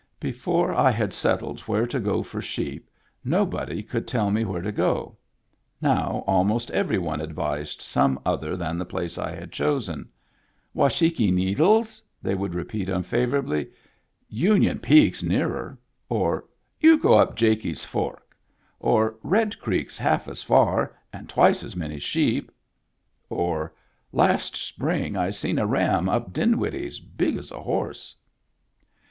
Before I had set tled where to go for sheep, nobody could tell me where to go ; now almost every one advised some other than the place I had chosen. " Washakie Needles ?" they would repeat unfavorably ;Un ion Peak's nearer;" or, "You go up Jakey's Fork ;" or " Red Creek's half as far, and twice as many sheep;" or, " Last spring I seen a ram up Dinwiddle big as a horse."